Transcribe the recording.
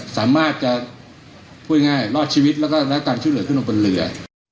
สามารถจะพูดง่ายรอดชีวิตแล้วก็รับการช่วยเหลือขึ้นลงบนเรือ